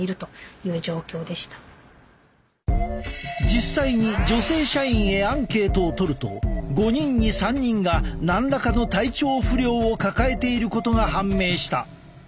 実際に女性社員へアンケートを取ると５人に３人が何らかの体調不良を抱えていることが判明した。